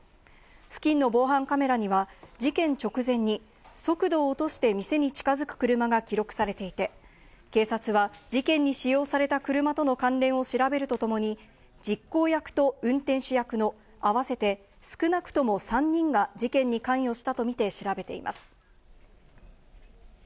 付近の防犯カメラには、事件直前に速度を落として店に近づく車が記録されていて、警察は事件に使用された車との関連を調べるとともに、実行役と運転手役の合わせて、少なくとも３人が事件に関与したとみて調べています。